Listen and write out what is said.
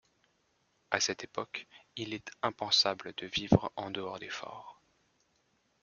À cette époque, il est impensable de vivre en dehors des forts.